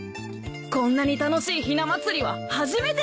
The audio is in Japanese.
こんなに楽しいひな祭りは初めてだ！